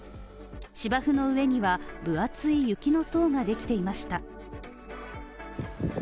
芝生の上には分厚い雪の層ができていました。